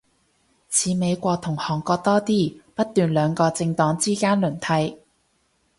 似美國同韓國多啲，不斷兩個政黨之間輪替